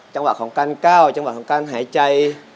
จังหวะของการก้าวจังหวะของการหายใจ